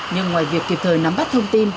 nhưng ngoài việc kịp thời nắm bắt thông tin